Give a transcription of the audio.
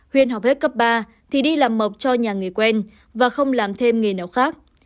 huyên học hết cấp ba thì đi làm mộc cho nhà người quen và không làm thêm nghề nào khác